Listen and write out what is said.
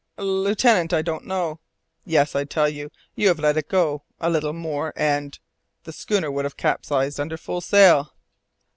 "Lieutenant I don't know " "Yes, I tell you, you have let it go. A little more and the schooner would have capsized under full sail."